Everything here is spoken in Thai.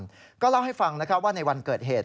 ก็เล่าให้ฟังว่าในวันเกิดเหตุ